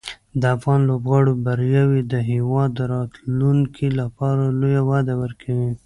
د افغان لوبغاړو بریاوې د هېواد د راتلونکي لپاره لویه وده ورکوي.